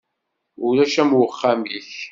Ulac am uxxam-ik.